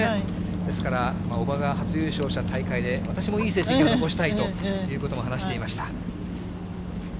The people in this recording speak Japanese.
ですから、おばが初優勝した大会で、私もいい成績を残したいということも話していました。